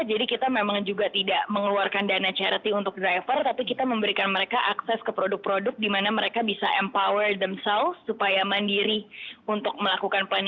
jadi kita memang juga tidak mengeluarkan dana charity untuk driver tapi kita memberikan mereka akses ke produk produk di mana mereka bisa empower themselves supaya mandiri untuk melakukan program swadaya ini